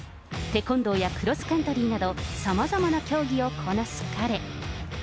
テコンドーやクロスカントリーなど、さまざまな競技をこなす彼。